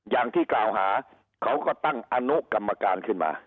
อย่างที่กล่าวหาเขาก็ตั้งอนุกรรมการขึ้นมา